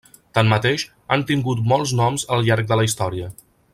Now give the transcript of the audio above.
Tanmateix, han tingut molts noms al llarg de la història.